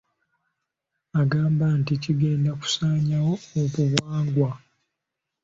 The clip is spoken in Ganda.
Agamba nti kigenda kusaanyaawo obuwangwa.